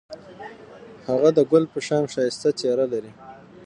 هغه د ګل په شان ښایسته څېره لري.